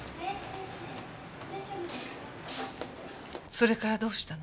それからどうしたの？